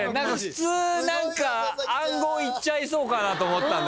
普通何か暗号いっちゃいそうかなって。